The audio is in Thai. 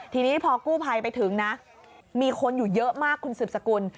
ทีนี้พอกู้ภัยไปถึงนะมีคนอยู่เยอะมากคุณสืบสกุล